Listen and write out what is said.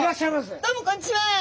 どうもこんにちは！